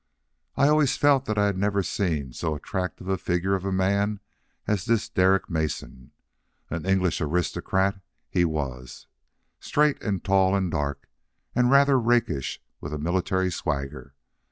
I always felt that I had never seen so attractive a figure of a man as this Derek Mason. An English aristocrat, he was, straight and tall and dark, and rather rakish, with a military swagger.